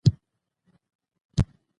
د ولس ګډون باور رامنځته کوي